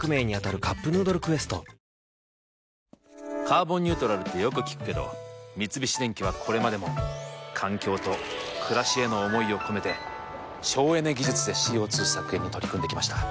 「カーボンニュートラル」ってよく聞くけど三菱電機はこれまでも環境と暮らしへの思いを込めて省エネ技術でＣＯ２削減に取り組んできました。